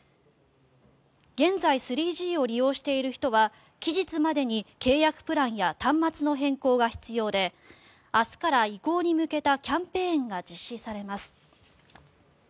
現在３Ｇを利用している人は期日までに契約プランや端末の変更が必要で明日から移行に向けたキャンペーンが実施されます。